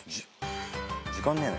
時間ねえな。